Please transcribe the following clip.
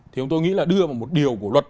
thì tôi nghĩ là đưa vào một điều của luật